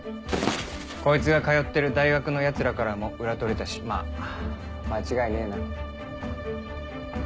こいつが通ってる大学のヤツらからも裏取れたしまぁ間違いねえな。